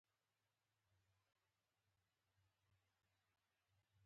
غوږ د نړۍ غږونه اوري.